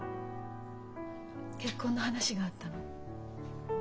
結婚の話があったの。